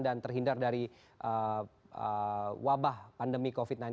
dan terhindar dari wabah pandemi covid sembilan belas